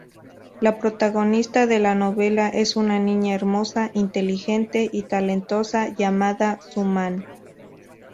La protagonista de la novela es una niña hermosa, inteligente y talentosa llamada Suman.